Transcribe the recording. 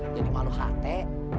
jadi malu hati